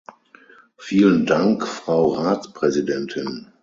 Vielen Dank, Frau Ratspräsidentin.